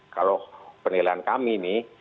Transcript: kalau penilaian kami ini